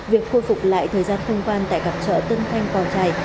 việc khôi phục lại thời gian thông quan tại cặp chợ tân thanh bò trài